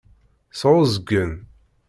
Sɛuẓẓgen.